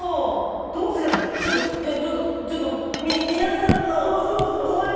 どうすればちょっとじゃあちょっとちょっとみみなさんの怖い体験談。